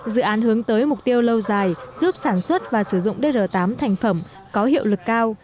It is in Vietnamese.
dự án hướng tới mục tiêu lâu dài giúp sản xuất và sử dụng dr tám thành phẩm có hiệu lực cao